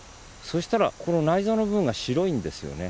そしたらこの内臓の部分が白いんですよね。